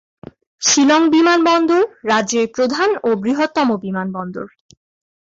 শিলং বিমানবন্দর রাজ্যের প্রধান ও বৃহত্তম বিমানবন্দর।